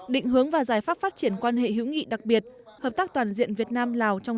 định hướng và giải pháp phát triển quan hệ hữu nghị đặc biệt hợp tác toàn diện việt nam lào trong